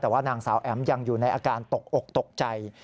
แต่ว่านางสาวแอ๋มยังอยู่ในอาการตกอกตกใจ